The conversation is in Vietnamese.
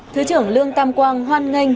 thứ trưởng lương tâm quang hoan nghênh